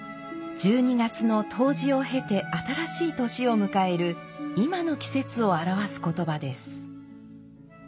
１２月の冬至を経て新しい年を迎える今の季節を表す言葉です。